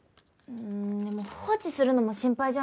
うーんでも放置するのも心配じゃないですか？